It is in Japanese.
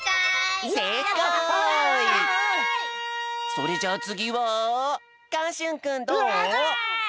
それじゃあつぎはかんしゅんくんどう？